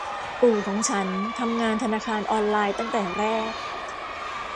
ปู่ของฉันทำงานธนาคารออนไลน์ตั้งแต่แรก